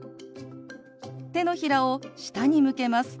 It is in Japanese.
手のひらを下に向けます。